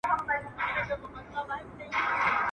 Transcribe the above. مرگ به دي يکسنده کي، ژوند به دي د زړه تنده کي.